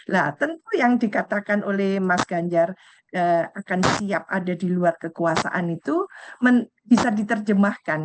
nah tentu yang dikatakan oleh mas ganjar akan siap ada di luar kekuasaan itu bisa diterjemahkan